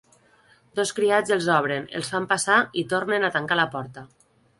Dos criats els obren, els fan passar i tornen a tancar la porta.